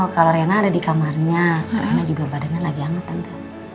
kalau rena ada di kamarnya karena juga badannya lagi hangat